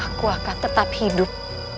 aku akan tetap hidup